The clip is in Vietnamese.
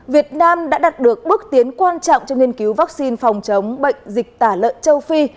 việt nam đã đạt được bước tiến quan trọng trong nghiên cứu vaccine phòng chống bệnh dịch tả lợn châu phi